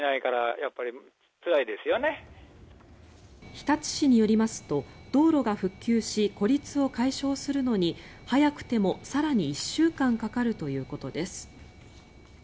日立市によりますと道路が復旧し孤立を解消するのに早くても更に１週間かかるということです。